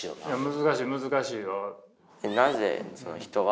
難しい難しいよ。